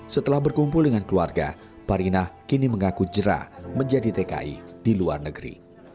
setelah berkumpul dengan keluarga parinah kini mengaku jerah menjadi tki di luar negeri